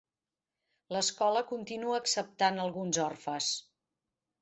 L'escola continua acceptant alguns orfes.